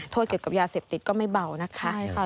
เกี่ยวกับยาเสพติดก็ไม่เบานะคะ